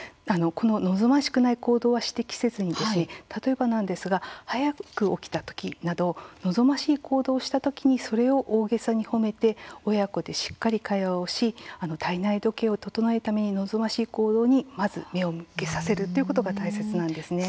望ましくない行動は指摘せずに例えばなんですが早く起きた時など望ましい行動をした時にそれを大げさに褒めて親子でしっかり会話をし体内時計を整えるために望ましい行動にまず目を向けさせるということが大切なんですね。